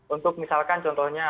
untuk misalkan contohnya